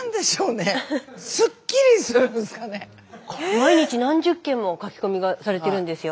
毎日何十件も書き込みがされてるんですよ。